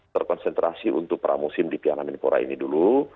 terkonsentrasi untuk pramusim di piala menpora ini dulu